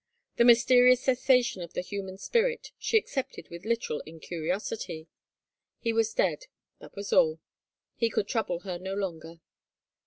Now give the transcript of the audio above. The mysterious cessation of the human spirit she accepted with literal incuriosity. He was dead ; that was all. He could trouble her no longer.